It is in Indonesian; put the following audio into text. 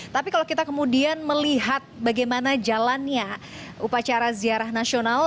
tapi kalau kita kemudian melihat bagaimana jalannya upacara ziarah nasional